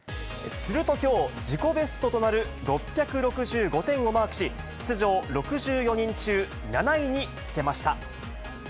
するときょう、自己ベストとなる６６５点をマークし、出場６４人中７位につけました。